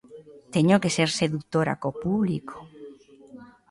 Teño que ser sedutora co público.